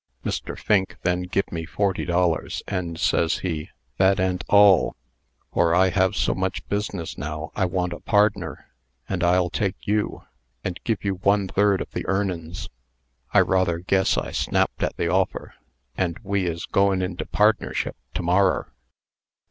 Mr. Fink then give me forty dollars, and ses he, 'That a'n't all; for I have so much business now, I want a pardner, and I'll take you, and give you one third of the earnin's.' I rather guess I snapped at the offer; and we is goin' into pardnership to morrer."